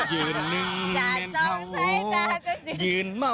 ยืนหนึ่งแม่มเขาโหยื่นเหมา